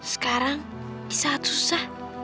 sekarang di saat susah